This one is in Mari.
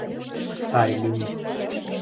— Сай лӱм.